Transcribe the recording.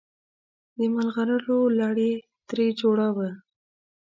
د ملغلرو لړ یې ترې جوړاوه.